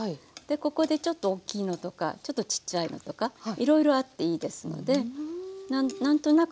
ここでちょっとおっきいのとかちょっとちっちゃいのとかいろいろあっていいですので何となくこう分けていきます。